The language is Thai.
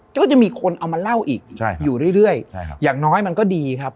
ก็จะมีคนเอามาเล่าอีกอยู่เรื่อยอย่างน้อยมันก็ดีครับ